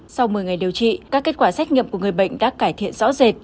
sau một mươi ngày điều trị các kết quả xét nghiệm của người bệnh đã cải thiện rõ rệt